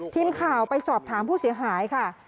ทีมข่าวไปสอบถามผู้เสียหายค่ะ